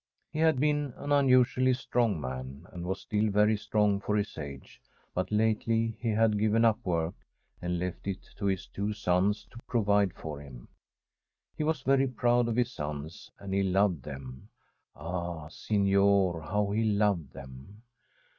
He had been an unusually strong man, and was still very strong for his age, but lately he had given up work and left it to his two sons to provide for him. He was very proud 6f his sons, and he loved them — ah, signor, how he loved them